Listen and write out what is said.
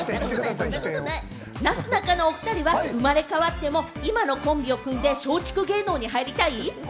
なすなかは生まれ変わっても、このコンビで松竹芸能に入りたい？